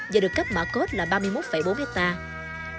giờ được cấp mạc cốt là ba mươi một bốn hectare